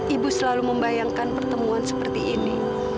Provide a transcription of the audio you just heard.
ibu selalu membayangkan pertemuan seperti ini